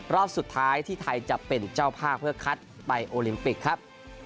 รอบสุดท้ายที่ไทยจะเป็นเจ้าภาพเพื่อคัดไปโอลิมปิกครับ